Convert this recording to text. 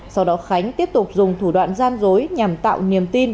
sau đó khánh tiếp tục dùng thủ đoạn gian dối nhằm tạo niềm tin